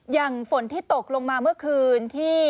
ฝนที่ตกลงมาเมื่อคืนที่